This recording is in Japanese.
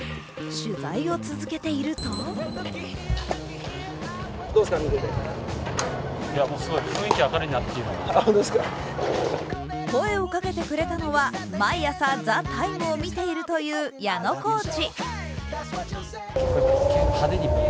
取材を続けていると声をかけてくれたのは、毎朝、「ＴＨＥＴＩＭＥ，」を見ているという矢野コーチ。